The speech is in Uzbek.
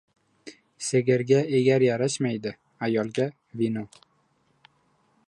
• Sigirga egar yarashmaydi, ayolga — vino.